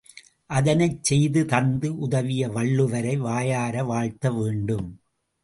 அதனைச் செய்து தந்து உதவிய வள்ளுவரை வாயார வாழ்த்த வேண்டும்.